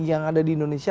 yang ada di indonesia